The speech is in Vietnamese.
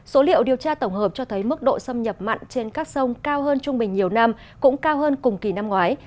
số liệu điều tra tổng hợp cho thấy mức độ xâm nhập mặn trên các sông cao hơn trung bình nhiều năm cũng cao hơn cùng kỳ năm ngoái